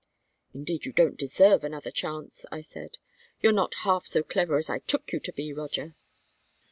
"Indeed, you don't deserve another chance," I said. "You're not half so clever as I took you to be, Roger."